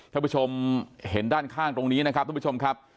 ท่านผู้ชมเห็นด้านข้างตรงนี้นะครับทุกผู้ชมครับ